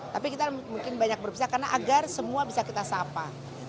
tapi kita mungkin banyak berpisah karena agar semua bisa kita sapa